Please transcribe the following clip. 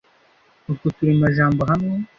utwo turemajambo hamwe